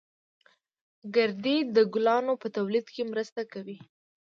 گردې د ګلانو په تولید کې مرسته کوي